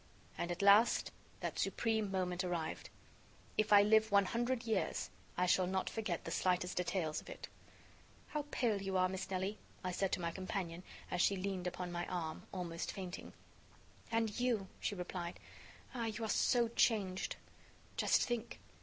And, at last, that supreme moment arrived. If I live one hundred years, I shall not forget the slightest details of it. "How pale you are, Miss Nelly," I said to my companion, as she leaned upon my arm, almost fainting. "And you!" she replied, "ah! you are so changed." "Just think!